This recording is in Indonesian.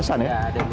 iya ada dua belas an